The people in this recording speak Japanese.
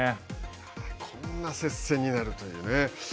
こんな接戦になるというね。